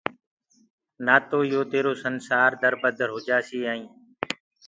نآ تو تيرو يو سنسآر دربدر هوجآسيٚ ائينٚ